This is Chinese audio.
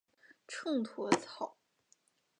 秤砣草